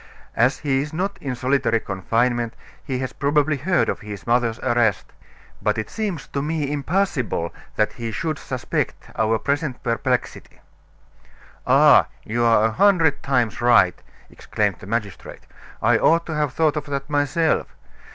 As he is not in solitary confinement, he has probably heard of his mother's arrest; but it seems to me impossible that he should suspect our present perplexity." "Ah! you are a hundred times right!" exclaimed the magistrate. "I ought to have thought of that myself.